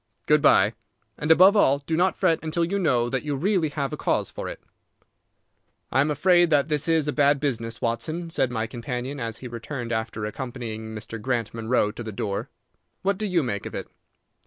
Good by; and, above all, do not fret until you know that you really have a cause for it." "I am afraid that this is a bad business, Watson," said my companion, as he returned after accompanying Mr. Grant Munro to the door. "What do you make of it?"